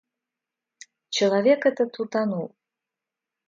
Человек этот утонул.